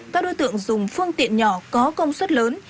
các đối tượng dùng phương tiện nhỏ có công suất lớn